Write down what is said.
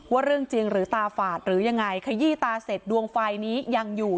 ว่าเรื่องจริงหรือตาฝาดหรือยังไงขยี้ตาเสร็จดวงไฟนี้ยังอยู่